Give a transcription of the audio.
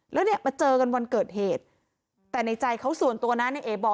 แล้วเนี่ยมาเจอกันวันเกิดเหตุแต่ในใจเขาส่วนตัวนะในเอบอกอ